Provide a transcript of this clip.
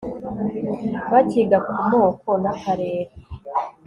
Bakiga ku moko n akarere